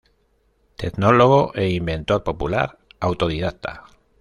Tecnólogo e inventor popular autodidacta.